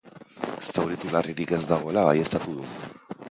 Zauritu larririk ez dagoela baieztatu du.